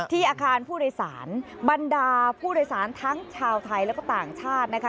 อาคารผู้โดยสารบรรดาผู้โดยสารทั้งชาวไทยแล้วก็ต่างชาตินะคะ